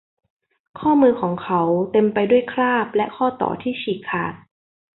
ข้อมือของเขาเต็มไปด้วยคราบและข้อต่อที่ฉีกขาด